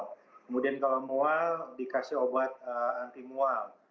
kemudian kalau mual dikasih obat antimual